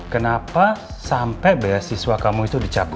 kenapa sampai beasiswa kamu itu dicapai